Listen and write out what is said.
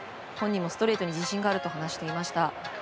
本人もストレートに自信があると話していました。